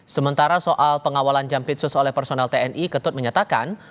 sementara soal pengawalan jampitsus oleh personel tni ketut menyatakan